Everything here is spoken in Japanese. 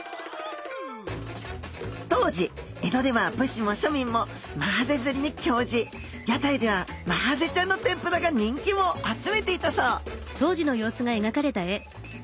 当時江戸では武士も庶民もマハゼ釣りに興じ屋台ではマハゼちゃんの天ぷらが人気を集めていたそう